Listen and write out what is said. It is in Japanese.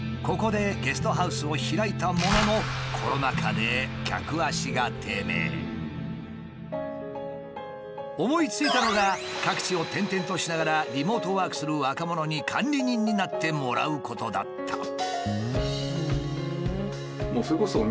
ここでゲストハウスを開いたものの思いついたのが各地を転々としながらリモートワークする若者に管理人になってもらうことだった。